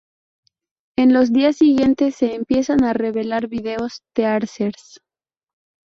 En los días siguientes se empiezan a revelar video teasers.